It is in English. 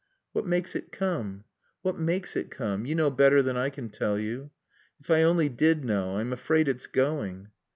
"What makes it come?" "What maakes it coom? Yo knaw better than I can tall yo." "If I only did know. I'm afraid it's going."